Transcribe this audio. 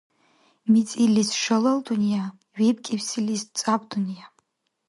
МицӀирсилис — шалал дунъя, вебкӀибсилис — цӀяб дунъя.